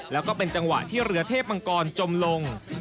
แล้วก็เป็นจังหวะที่เรือเทพมังกรจมลง